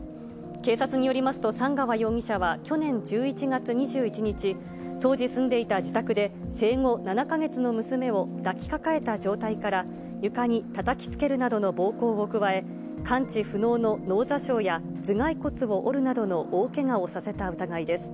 警察によりますと、寒川容疑者は去年１１月２１日、当時住んでいた自宅で、生後７か月の娘を抱きかかえた状態から床にたたきつけるなどの暴行を加え、完治不能の脳挫傷や頭蓋骨を折るなどの大けがをさせた疑いです。